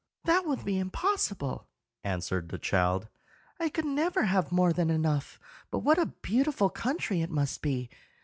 "That would be impossible," answered the child. "I could never have more than enough. But what a beautiful country it must be!